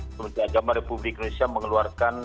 kementerian agama republik indonesia mengeluarkan